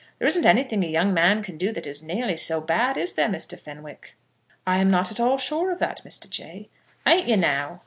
There isn't anything a young man can do that is nearly so bad, is there, Mr. Fenwick?" "I'm not at all sure of that, Mr. Jay." "Ain't you now?"